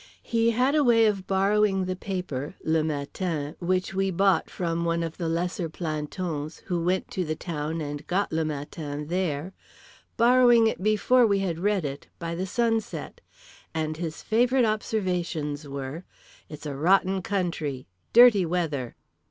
—He had a way of borrowing the paper (Le Matin) which we bought from one of the lesser plantons who went to the town and got Le Matin there; borrowing it before we had read it—by the sunset. And his favourite observations were: "It's a rotten country. Dirty weather."